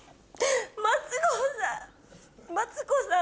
マツコさん